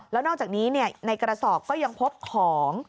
แล้วนอกจากนี้ในกระสอบก็ยังพบของ